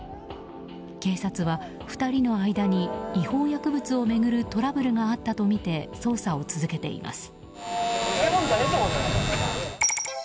警察は２人の間に違法薬物を巡るトラブルがあったとみて捜査を続けています。